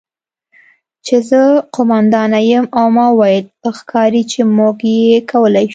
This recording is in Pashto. چې زه قوماندانه یم او ما وویل: 'ښکاري چې موږ یې کولی شو'.